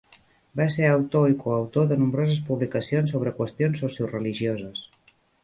Va ser autor i coautor de nombroses publicacions sobre qüestions socioreligioses.